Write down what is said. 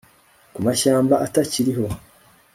Ku mashyamba atakiriho